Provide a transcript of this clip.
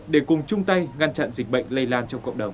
để cùng chung tay ngăn chặn dịch bệnh lây lan trong cộng đồng